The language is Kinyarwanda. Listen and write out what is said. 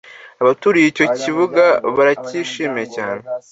abaturiye icyo kibuga baracyishimiye cyane